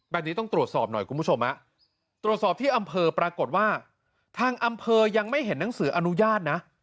แบบนี้ต้องตรวจสอบหน่อยคุณผู้ชมตรวจสอบที่อำเภอปรากฏว่าทางอำเภอยังไม่เห็นหนังสืออนุญาตนะ